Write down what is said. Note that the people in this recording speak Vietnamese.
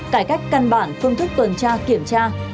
cải cách căn bản phương thức tuần tra kiểm tra